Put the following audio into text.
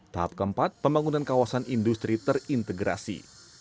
tahap keempat pembangunan kawasan industri terintegrasi